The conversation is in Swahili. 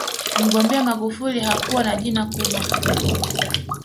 mgombea magufuli hakuwa na jina kubwa